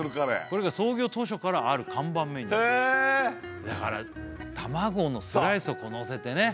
これが創業当初からある看板メニューだから卵のスライスをのせてね